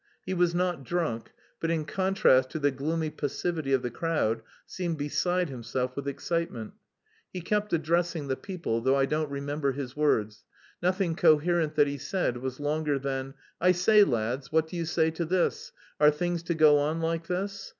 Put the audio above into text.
He was not drunk, but in contrast to the gloomy passivity of the crowd seemed beside himself with excitement. He kept addressing the people, though I don't remember his words; nothing coherent that he said was longer than "I say, lads, what do you say to this? Are things to go on like this?"